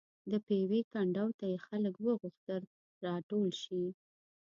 د پېوې کنډو ته یې خلک وغوښتل راټول شي.